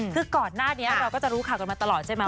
คือก่อนหน้านี้เราก็จะรู้ข่าวกันมาตลอดใช่ไหม